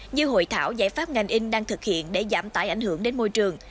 như hội thảo giải pháp ngành in đang thực hiện để giảm tải ảnh hưởng đến môi trường